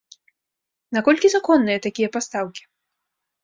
Наколькі законныя такія пастаўкі?